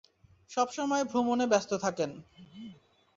সবসময় ভ্রমণে ব্যাস্ত থাকেন?